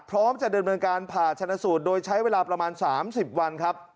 พร้อมจะดำเนินการผ่าชนะสูตรโดยใช้เวลาประมาณ๓๐วันครับ